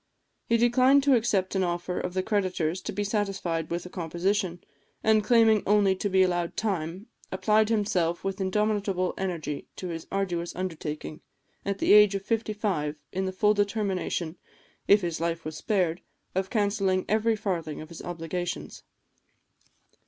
He declined to accept an offer of the creditors to be satisfied with a composition; and claiming only to be allowed time, applied himself with indomitable energy to his arduous undertaking, at the age of fifty five, in the full determination, if his life was spared, of cancelling every farthing of his obligations.